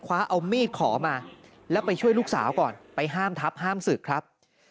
คว้าเอามีดขอมาแล้วไปช่วยลูกสาวก่อนไปห้ามทับห้ามศึกครับ